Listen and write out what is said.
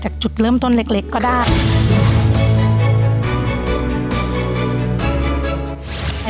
จุดเริ่มต้นเล็กก็ได้